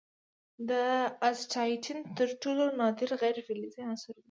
د اسټاټین تر ټولو نادر غیر فلزي عنصر دی.